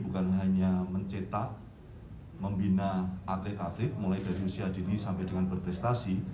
bukan hanya mencetak membina atlet atlet mulai dari usia dini sampai dengan berprestasi